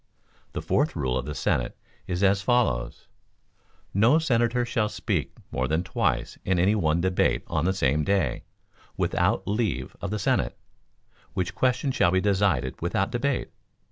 The fourth rule of the Senate is as follows: "No Senator shall speak more than twice in any one debate on the same day, without leave of the Senate, which question shall be decided without debate."